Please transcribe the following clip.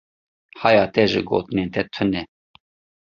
Hayê te ji gotinên te tune.